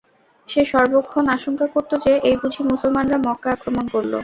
সে সর্বক্ষণ আশঙ্কা করত যে, এই বুঝি মুসলমানরা মক্কা আক্রমণ করল।